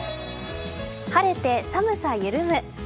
晴れて寒さ緩む。